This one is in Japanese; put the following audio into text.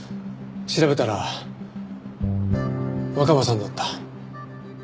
調べたら若葉さんだった。